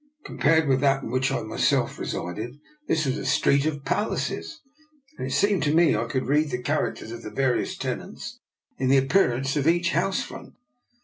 Compared with that in which I myself resided, this was a street of palaces, . and it seemed to me I could read the char acters of the various tenants in the appear ance of each house front.